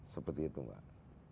seperti itu pak